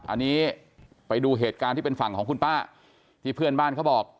อันนี้ไปดูเหตุการณ์ที่เป็นฝั่งของคุณป้าที่เพื่อนบ้านเขาบอก